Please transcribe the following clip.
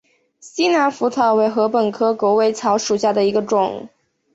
西南莩草为禾本科狗尾草属下的一个种。